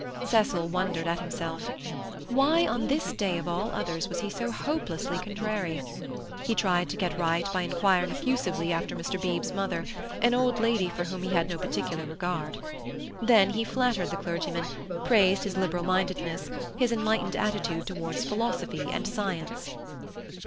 Cecil wondered at himself. Why, on this day of all others, was he so hopelessly contrary? He tried to get right by inquiring effusively after Mr. Beebe's mother, an old lady for whom he had no particular regard. Then he flattered the clergyman, praised his liberal mindedness, his enlightened attitude towards philosophy and science.